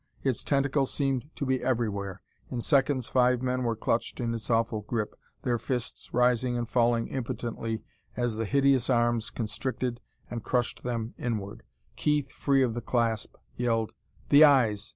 Its tentacles seemed to be everywhere. In seconds five men were clutched in its awful grip, their fists rising and falling impotently as the hideous arms constricted and crushed them inward. Keith, free of the clasp, yelled: "The eyes!